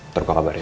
terus kau kabarin